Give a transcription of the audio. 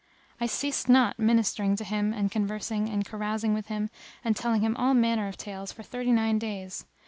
I ceased not ministering to him and conversing and carousing with him and telling him all manner tales for thirty nine days.